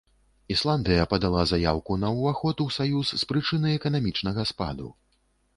Ісландыя падала заяўку на уваход ў саюз з прычыны эканамічнага спаду.